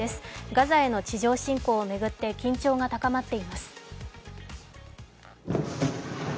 ガザへの地上進攻を巡って緊張が高まっています。